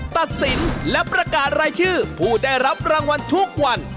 ตัดสินและประกาศรายชื่อผู้ได้รับรางวัลทุกวัน